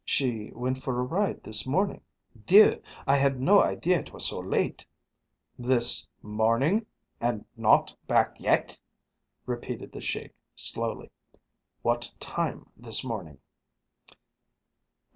"She went for a ride this morning. Dieu! I had no idea it was so late." "This morning! and not back yet?" repeated the Sheik slowly. "What time this morning?"